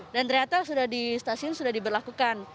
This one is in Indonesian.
dan ternyata sudah di stasiun sudah diberlakukan